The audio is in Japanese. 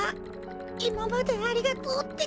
いままでありがとうってか。